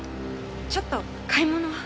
ちょっと買い物を。